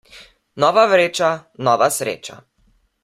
Nova vreča, nova sreča.